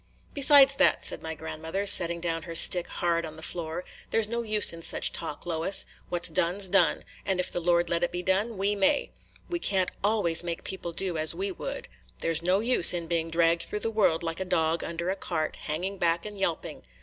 "Besides that," said my grandmother, setting down her stick hard on the floor, "there 's no use in such talk, Lois. What 's done 's done; and if the Lord let it be done, we may. We can't always make people do as we would. There 's no use in being dragged through the world like a dog under a cart, hanging back and yelping.